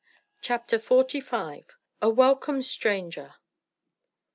CHAPTER FORTY FIVE. A WELCOME STRONGER.